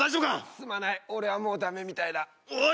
すまない俺はもうダメみたいだおい